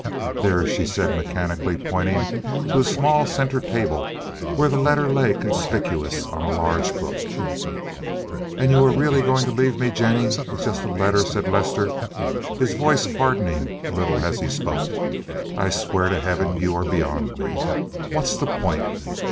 "There," she said, mechanically pointing to a small center table where the letter lay conspicuous on a large book. "And you were really going to leave me, Jennie, with just a letter?" said Lester, his voice hardening a little as he spoke. "I swear to heaven you are beyond me. What's the point?"